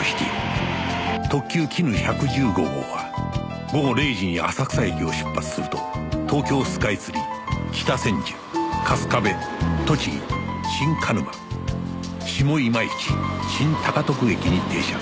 特急きぬ１１５号は午後０時に浅草駅を出発するととうきょうスカイツリー北千住春日部栃木新鹿沼下今市新高徳駅に停車